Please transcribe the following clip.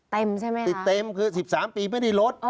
ใช่ไหมติดเต็มคือ๑๓ปีไม่ได้ลด